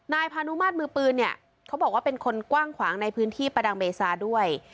พานุมาตรมือปืนเนี่ยเขาบอกว่าเป็นคนกว้างขวางในพื้นที่ประดังเบซาด้วย